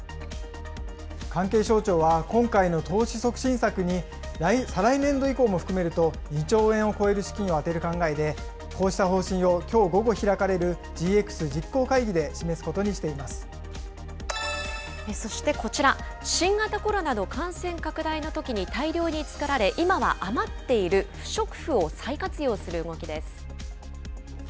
関係省庁は、今回の投資促進策に再来年度以降も含めると２兆円を超える資金を充てる考えで、こうした方針をきょう午後開かれるＧＸ実行会議でそしてこちら、新型コロナの感染拡大のときに大量に作られ、今は余っている不織布を再活用する動きです。